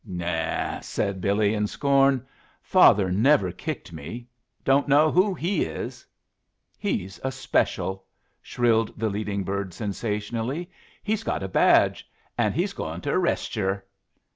"New!" said Billy, in scorn. "Father never kicked me. Don't know who he is." "He's a special!" shrilled the leading bird, sensationally. "He's got a badge, and he's goin' to arrest yer."